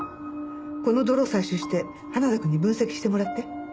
この泥を採取して花田くんに分析してもらって。